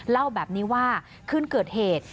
เล่าแบบนี้ว่าคืนเกิดเหตุ